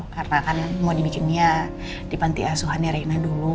karena kan mau dibikinnya di panti asuhannya reina dulu